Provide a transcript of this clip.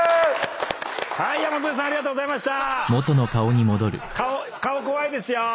山添さんありがとうございました！